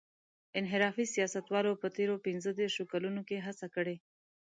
انحرافي سیاستوالو په تېرو پينځه دېرشو کلونو کې هڅه کړې.